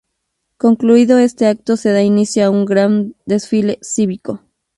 Concluido este acto se da inicio a un gran desfile cívico.